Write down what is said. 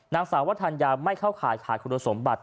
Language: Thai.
นางสาววัฒนยาไม่เข้าข่ายขาดคุณสมบัติ